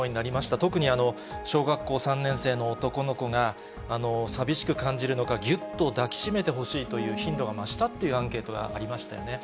特に小学校３年生の男の子が、寂しく感じるのか、ぎゅっと抱き締めてほしいという頻度が増したというアンケートがありましたよね。